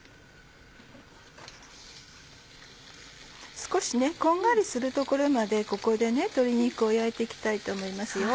少しこんがりするところまでここで鶏肉を焼いて行きたいと思いますよ。